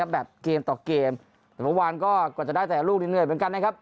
แบบเกมต่อเกมแต่เมื่อวานก็กว่าจะได้แต่ละลูกนี่เหนื่อยเหมือนกันนะครับ